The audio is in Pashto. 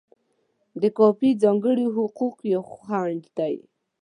د کاپي ځانګړي حقوق یو خنډ دی.